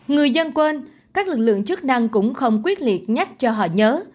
người dân quên các lực lượng chức năng cũng không quyết liệt nhắc cho họ nhớ